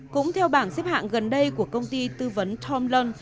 cũng theo bảng xếp hạng gần đây của công ty tư vấn tomlon